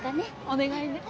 お願いね。